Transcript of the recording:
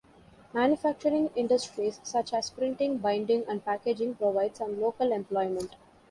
Manufacturing industries such as printing, binding and packaging provide some local employment.